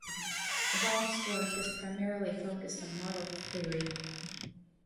Vaught's work is primarily focused on model theory.